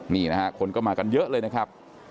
นี่นะฮะคนก็มากันเยอะเลยนะครับ